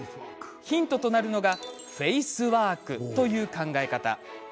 ヒントとなるのがフェイスワークという考え方。